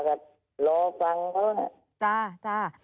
ก็รอฟังเขานะ